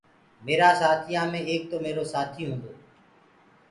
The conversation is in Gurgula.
ميرآ سآٿيآ مي ايڪ تو ميرو سآٿيٚ هونٚدو